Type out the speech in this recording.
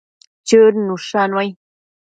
Chëd nushannuai